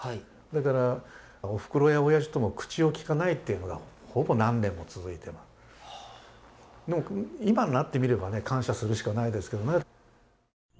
だからおふくろやおやじとも口をきかないっていうのがほぼ何年も続いて今になってみればね感謝するしかないですけどね。